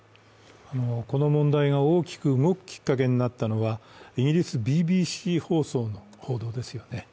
この問題が大きく動くきっかけになったのはイギリスＢＢＣ放送の報道ですよね。